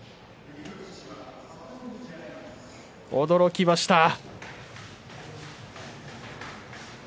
驚きました。